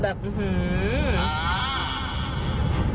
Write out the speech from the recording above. แบบอื้อหือ